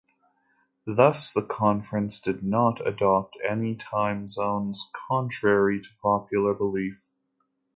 Thus the conference did "not" adopt any time zones, contrary to popular belief.